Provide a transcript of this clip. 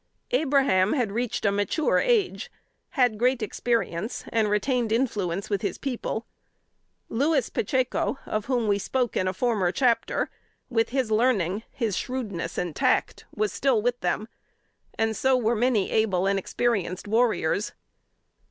Abraham had reached a mature age; had great experience, and retained influence with his people. Louis Pacheco, of whom we spoke in a former chapter, with his learning, his shrewdness and tact, was still with them, and so were many able and experienced warriors.